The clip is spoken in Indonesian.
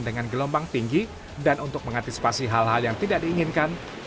dengan gelombang tinggi dan untuk mengantisipasi hal hal yang tidak diinginkan